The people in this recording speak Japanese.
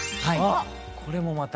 これもまた。